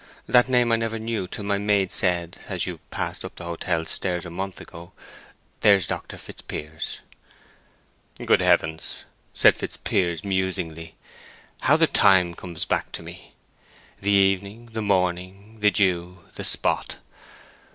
That name I never knew till my maid said, as you passed up the hotel stairs a month ago, 'There's Dr. Fitzpiers.'" "Good Heaven!" said Fitzpiers, musingly. "How the time comes back to me! The evening, the morning, the dew, the spot.